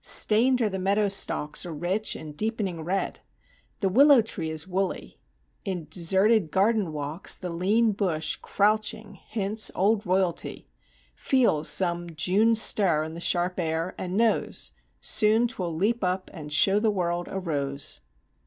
Stained are the meadow stalks A rich and deepening red. The willow tree Is woolly. In deserted garden walks The lean bush crouching hints old royalty. Feels some June stir in the sharp air and knows Soon 'twill leap up and show the world a rose.